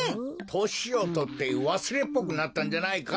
・としをとってわすれっぽくなったんじゃないか！？